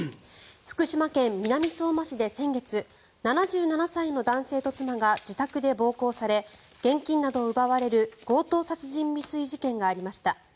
福島県南相馬市で先月７７歳の男性と妻が自宅で暴行され現金などを奪われる強盗殺人未遂事件がありました。